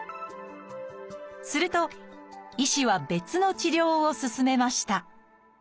すると医師は別の治療を勧めました